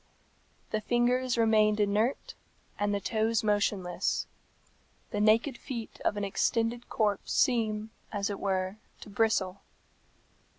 The fingers remained inert, and the toes motionless. The naked feet of an extended corpse seem, as it were, to bristle.